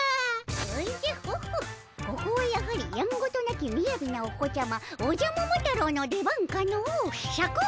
おじゃホッホここはやはりやんごとなきみやびなお子ちゃまおじゃ桃太郎の出番かのう。